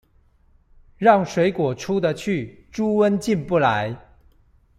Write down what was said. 讓水果出得去，豬瘟進不來